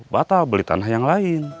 batal beli tanah yang lain